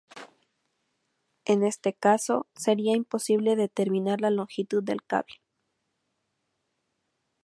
En este caso, sería imposible determinar la longitud del cable.